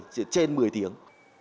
chỉ trên một mươi tiếng